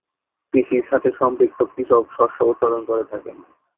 কৃষির সাথে সম্পৃক্ত কৃষক শস্য উৎপাদন করে থাকেন।